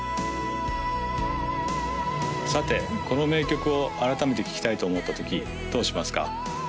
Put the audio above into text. さてこの名曲を改めて聴きたいと思ったときどうしますか？